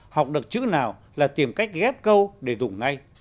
học được chữ nào là tìm cách ghép câu để dùng ngay